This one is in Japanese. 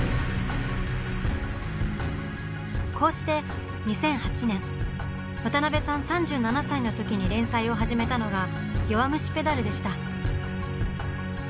こうして２００８年渡辺さん３７歳の時に連載を始めたのが「弱虫ペダル」でした。